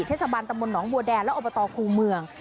เทศบาลตำบลหนองบัวแดงและอบตคูเมือง